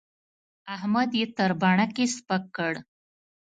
احمد يې تر بڼکې سپک کړ.